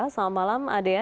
selamat malam adia